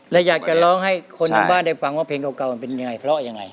และอยากจะร้องให้คนทางบ้านได้ฟังว่าเพลงเก่ามันเป็นยังไงเพราะยังไง